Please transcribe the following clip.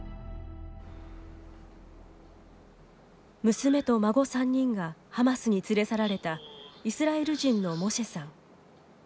娘と孫３人がハマスに連れ去られたイスラエル人のモシェさん。